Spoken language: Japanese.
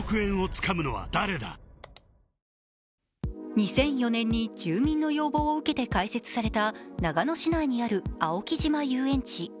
２００４年に住民の要望を受けて開設された長野市内にある青木島遊園地。